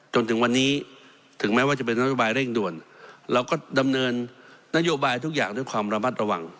จนถึงวันนี้ถึงแม้ว่าจะเป็นนโยบายเร่งด่วนเราก็ดำเนินนโยบายทุกอย่างด้วยความระมัดระวัง